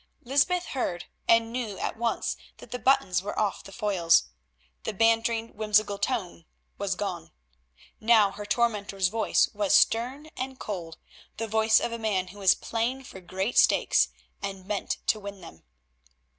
Lysbeth heard and knew at once that the buttons were off the foils. The bantering, whimsical tone was gone. Now her tormentor's voice was stern and cold, the voice of a man who was playing for great stakes and meant to win them.